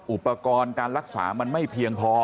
อุปกรณ์การรักษามันไม่เพียงพอ